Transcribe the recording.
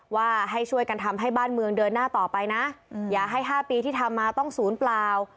ว่าให้ช่วยกันทำให้บ้านเมืองเดินหน้าต่อไปนะอย่าให้๕ปีที่ทำมาต้องศูนย์เปล่า